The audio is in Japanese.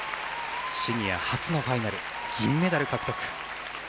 シニア初のファイナル銀メダル獲得。